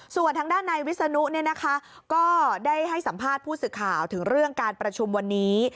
ส่วนทางด้านในวิศนุก็ได้ให้สัมภาษณ์ผู้สื่อข่าวถึงเรื่องการประชุมวันนี้